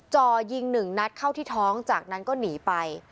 จ่อยิงหนึ่งนัดเข้าที่ท้องจากนั้นก็หนีไป